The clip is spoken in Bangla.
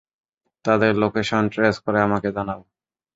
তাদের লোকেশান ট্রেস করে আমাকে জানাও।